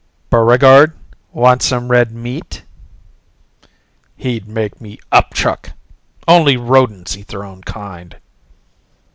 "Buregarde, want some red meat?" "He'd make me upchuck. Only rodents eat their own kind."